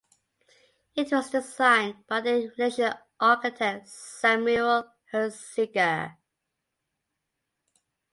It was designed by their relation architect Samuel Hurst Seager.